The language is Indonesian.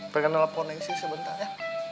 pergi nelponin sih sebentar ya